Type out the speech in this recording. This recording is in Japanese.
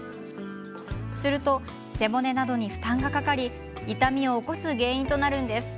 すると、背骨などに負担がかかり痛みを起こす原因となるんです。